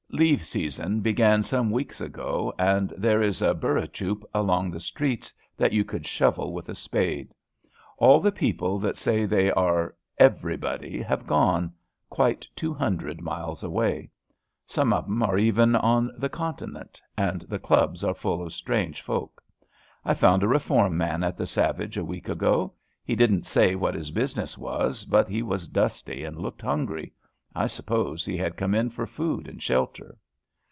Leave season began some weeks ago, and there is a hurra choop along the streets that you could ehovel with a spade. All the people that say they are everybody have gone — quite two hundred miles away. Some of ^em are even on the Continent — and the clubs are full of strange folk. I found a Eef orm man at the Savage a week ago. He didn't say what his business was, but he was dusty and looked hungry. I suppose he had come in for food and shelter.